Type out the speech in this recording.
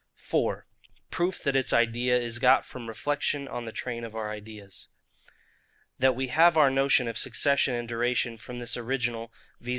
4. Proof that its idea is got from reflection on the train of our ideas. That we have our notion of succession and duration from this original, viz.